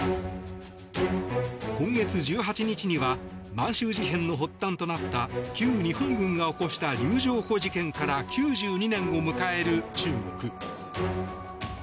今月１８日には満州事変の発端となった旧日本軍が起こした柳条湖事件から９２年を迎える中国。